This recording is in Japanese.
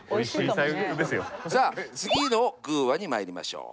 さあ次の「グぅ！話」にまいりましょう。